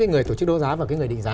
người tổ chức đấu giá và người định giá